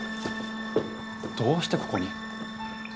どうしてここに？